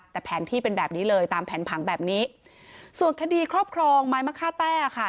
แต่แผนที่เป็นแบบนี้เลยตามแผนผังแบบนี้ส่วนคดีครอบครองไม้มะค่าแต้ค่ะ